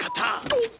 おっ！？